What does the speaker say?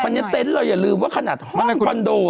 แต่คนที่เต้นเราอย่าลืมว่าขนาดห้องคอนโด